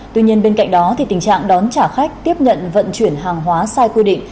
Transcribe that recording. tuy nhiên bên cạnh đó tình trạng đón trả khách tiếp nhận vận chuyển hàng hóa sai quy định